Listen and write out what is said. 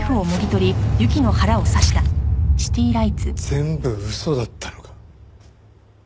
全部嘘だったのか。